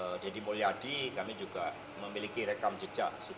gerindra pak deddy mulyadi kami juga memiliki rekam jejak kepala daerah